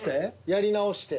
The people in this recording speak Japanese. やり直して。